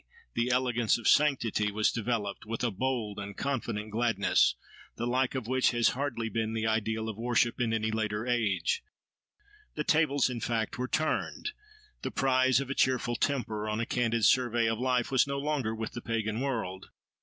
the elegance of sanctity—was developed, with a bold and confident gladness, the like of which has hardly been the ideal of worship in any later age. The tables in fact were turned: the prize of a cheerful temper on a candid survey of life was no longer with the pagan world.